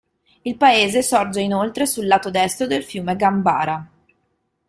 Il paese sorge inoltre sul lato destro del fiume Gambara.